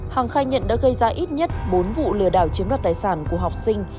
hằng khai nhận đã gây ra ít nhất bốn vụ lừa đảo chiếm đoạt tài sản của học sinh